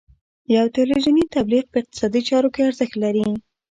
یو تلویزیوني تبلیغ په اقتصادي چارو کې ارزښت لري.